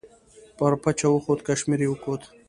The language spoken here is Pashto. پر پچه وخوت کشمیر یې وکوت.